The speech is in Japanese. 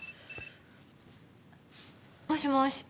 もしもし。